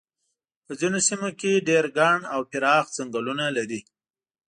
په ځینو سیمو کې ډېر ګڼ او پراخ څنګلونه لري.